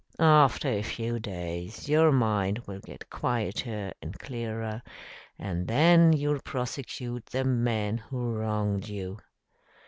After a few days, your mind will get quieter and clearer, and then you'll prosecute the man who wronged you."